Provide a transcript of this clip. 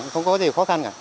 không có gì khó khăn cả